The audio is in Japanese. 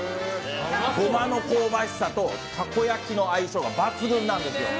ゴマの香ばしさとたこ焼きの相性が抜群なんです。